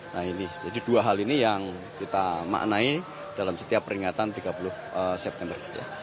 nah ini jadi dua hal ini yang kita maknai dalam setiap peringatan tiga puluh september